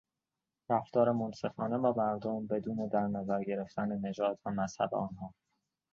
رفتار منصفانه با مردم بدون درنظر گرفتن نژاد و مذهب آنها